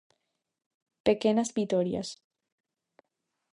Pequenas vitorias.